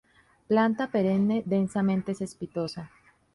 Planta perenne, densamente cespitosa.